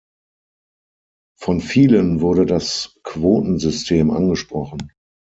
Von vielen wurde das Quotensystem angesprochen.